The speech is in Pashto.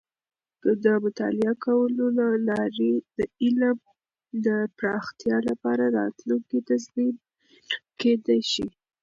د مطالعه کولو له لارې د علم د پراختیا لپاره راتلونکې تضمین کیدی شي.